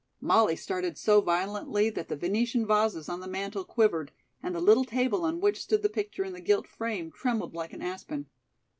Molly started so violently that the Venetian vases on the mantel quivered and the little table on which stood the picture in the gilt frame trembled like an aspen.